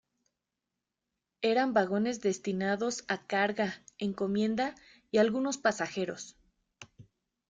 Eran vagones destinados a carga, encomienda y algunos pasajeros.